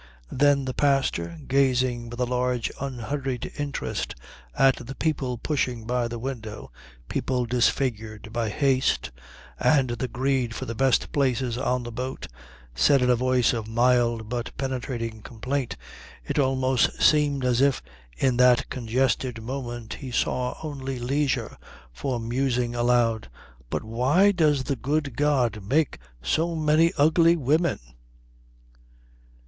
Then the pastor, gazing with a large unhurried interest at the people pushing by the window, people disfigured by haste and the greed for the best places on the boat, said in a voice of mild but penetrating complaint it almost seemed as if in that congested moment he saw only leisure for musing aloud "But why does the good God make so many ugly old women?"